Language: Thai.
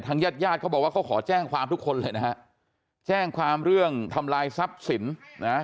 ญาติญาติเขาบอกว่าเขาขอแจ้งความทุกคนเลยนะฮะแจ้งความเรื่องทำลายทรัพย์สินนะ